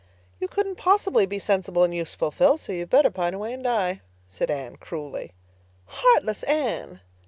"You couldn't possibly be sensible and useful, Phil, so you'd better pine away and die," said Anne cruelly. "Heartless Anne!"